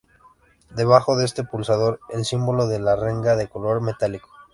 Debajo de este pulsador, el símbolo de La Renga de color metálico.